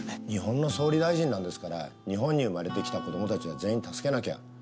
日本の総理大臣なんですから日本に生まれてきた子供たちは全員助けなきゃ。